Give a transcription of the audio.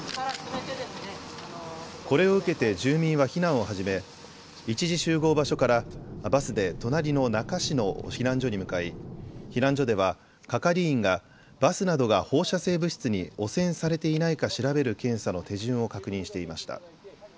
これを受けて住民は避難を始め一時集合場所からバスで隣の那珂市の避難所に向かい避難所では係員がバスなどが放射性物質に汚染されていないか調べる検査の手順を確認していました。